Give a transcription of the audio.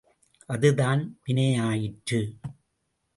அது தான் வினையாயிற்று.